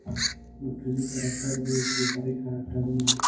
مرکزي کرکتر دى چې فرعي کرکترونه